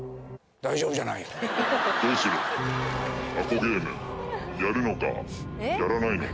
大丈夫じゃないよ。